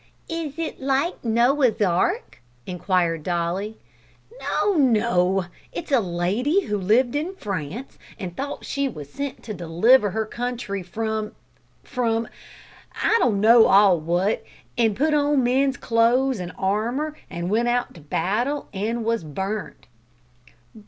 "Is it like Noah's Ark?" inquired Dolly. "No, no; it's a lady who lived in France, an' thought she was sent to deliver her country from from I don't know all what, an' put on men's clo'es an' armour, an' went out to battle, an' was burnt."